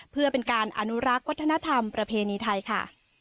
เพื่อเป็นการอนุรักษ์วัฒนธรรมประเพณีไทยค่ะ